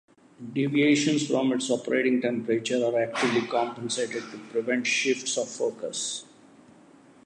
Deviations from its operating temperature are actively compensated to prevent shifts of focus.